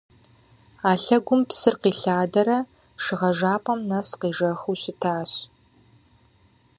А лъэгум псыр къилъадэрэ шыгъэжапӏэм нэс къежэхыу щытащ.